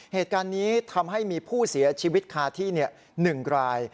เหตุการณ์นี้ทำให้มีผู้เสียชีวิตคาที่๑ราย